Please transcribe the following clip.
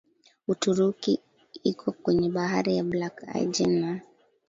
Uturuki iko kwenye Bahari ya Black Aegean na